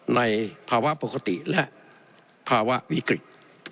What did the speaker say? ในภาวะปกติและภาวะวิกฤต